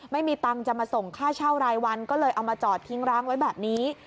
ไม่มีตังค์จะมาส่งค่าเช่ารายวันก็เลยเอามาจอดทิ้งร้างไว้แบบนี้